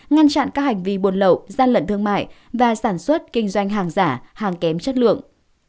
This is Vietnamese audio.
ngăn chặn các hành vi buồn lậu gian lận thương mại và sản xuất kinh doanh hàng giả hàng kém chất lượng